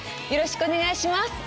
よろしくお願いします！